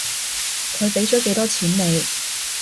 佢畀咗幾多錢你？